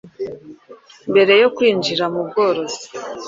Mbere yo kwinjira mu bworozi,